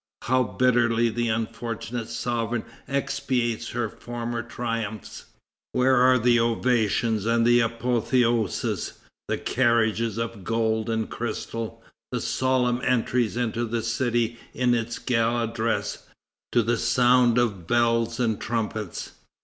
How bitterly the unfortunate sovereign expiates her former triumphs! Where are the ovations and the apotheoses, the carriages of gold and crystal, the solemn entries into the city in its gala dress, to the sound of bells and trumpets?